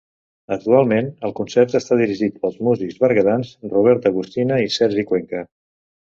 Actualment, el concert està dirigit pels músics berguedans Robert Agustina i Sergi Cuenca.